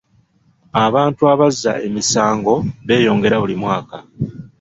Abantu abazza emisango beeyongera buli mwaka.